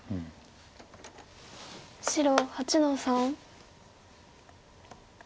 白８の三。